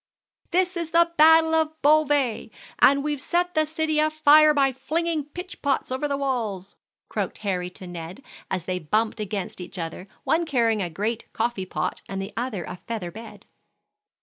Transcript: "This is the battle of Beauvais, and we've set the city a fire by flinging pitch pots over the walls," croaked Harry to Ned as they bumped against each other, one carrying a great coffee pot and the other a feather bed.